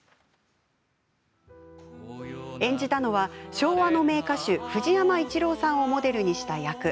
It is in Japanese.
演じたのは、昭和の名歌手藤山一郎さんをモデルにした役。